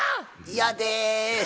嫌です！